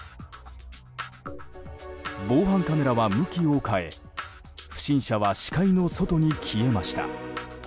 防犯カメラは向きを変え不審者は視界の外に消えました。